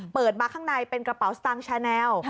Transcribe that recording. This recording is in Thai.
เปิดมาข้างในเป็นกระเป๋าสตางค์ชาแนล